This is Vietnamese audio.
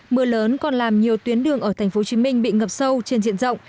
mưa lớn còn làm nhiều tuyến đường ở tp hcm bị ngập sâu trên diện rộng